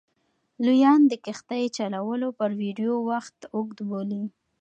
لویان د کښتۍ چلولو پر ویډیو وخت اوږد بولي.